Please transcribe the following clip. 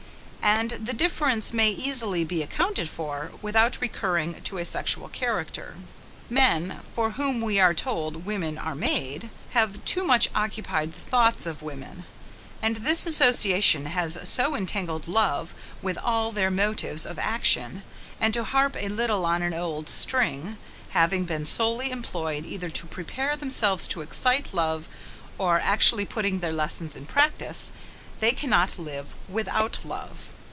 And the difference may easily be accounted for, without recurring to a sexual character. Men, for whom we are told women are made, have too much occupied the thoughts of women; and this association has so entangled love, with all their motives of action; and, to harp a little on an old string, having been solely employed either to prepare themselves to excite love, or actually putting their lessons in practice, they cannot live without love.